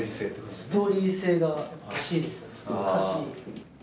ストーリー性が欲しいですよね